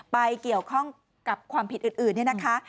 ไปเกี่ยวข้องกับความผิดอื่นเนี่ยนะคะ